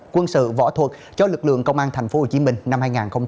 quân sự võ thuật cho lực lượng công an tp hcm năm hai nghìn hai mươi ba